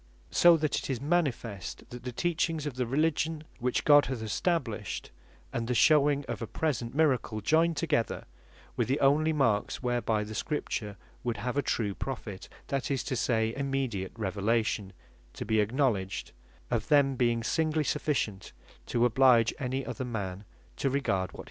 So that it is manifest, that the teaching of the Religion which God hath established, and the showing of a present Miracle, joined together, were the only marks whereby the Scripture would have a true Prophet, that is to say immediate Revelation to be acknowledged; neither of them being singly sufficient to oblige any other man to regard what he saith.